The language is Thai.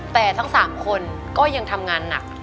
แต่ทั้ง๓คนก็ยังทำงานหนัก